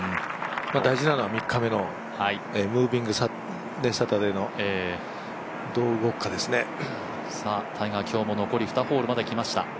大事なのは３日目のムービングサタデーがタイガー、残り２ホールまで来ました。